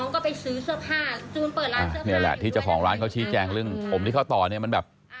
จูนเปิดร้านนี้แหละที่เจ้าของร้านเคิ้วชี้แจ้งผมที่เค้าต่อเนี่ยมันแบบ